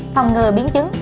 phòng ngừa biến chứng